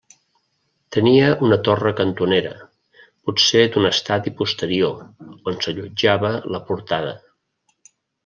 Tenia una torre cantonera, potser d'un estadi posterior, on s'allotjava la portada.